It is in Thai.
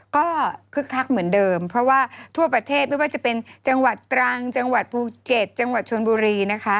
ก็คึกคักเหมือนเดิมเพราะว่าทั่วประเทศไม่ว่าจะเป็นจังหวัดตรังจังหวัดภูเก็ตจังหวัดชนบุรีนะคะ